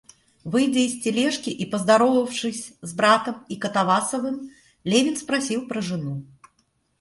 Выйдя из тележки и поздоровавшись с братом и Катавасовым, Левин спросил про жену.